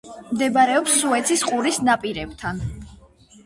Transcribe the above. მდებარეობს სუეცის ყურის ნაპირებთან.